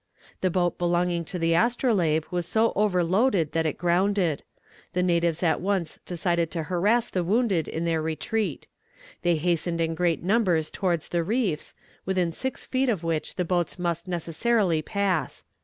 "The boat belonging to the Astrolabe was so overloaded that it grounded. The natives at once decided to harass the wounded in their retreat. They hastened in great numbers towards the reefs, within six feet of which the boats must necessarily pass.